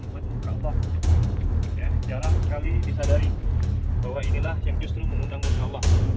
hai teman teman saya raffi dari bawainila yang justru mengundang musuh allah